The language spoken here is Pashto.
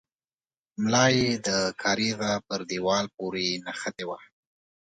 ملا يې د کارېزه پر دېوال پورې نښتې وه.